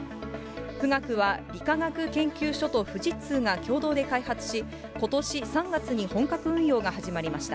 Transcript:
富岳は理化学研究所と富士通が共同で開発し、ことし３月に本格運用が始まりました。